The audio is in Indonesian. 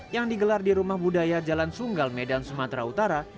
yang digelar di rumah budaya jalan sunggal medan sumatera utara